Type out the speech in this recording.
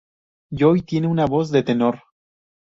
Joy tiene una voz de tenor.